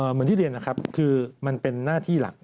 เหมือนที่เรียนนะครับคือมันเป็นหน้าที่หลัก